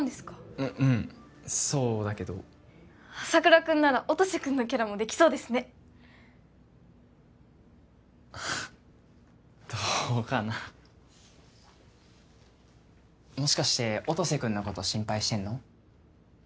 ううんそうだけど朝倉君なら音瀬君のキャラもできそうですねどうかなもしかして音瀬君のこと心配してるの？